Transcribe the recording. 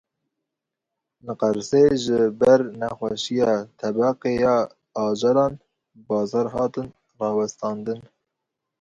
Li Qersê ji ber nexweşiya tebeqê ya ajelan, bazar hatin rawestandin.